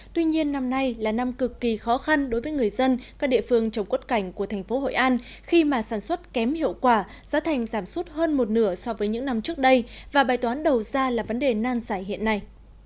tuy nhiên năm nay là năm cực kỳ khó khăn đối với người dân các địa phương trồng quất cảnh của thành phố hội an khi mà sản xuất kém hiệu quả giá thành giảm sút hơn một nửa so với những năm trước đây và bài toán đầu ra là vấn đề nan giải hiện nay